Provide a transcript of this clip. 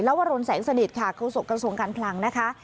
แล้ววรณแสงสนิทค่ะเค้าส่งกระทรวงการพลังนะคะ